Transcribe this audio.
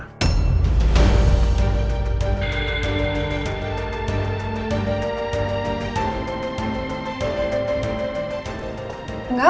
tidak aku ga kemana mana